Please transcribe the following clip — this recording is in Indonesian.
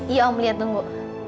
iya om lihat tunggu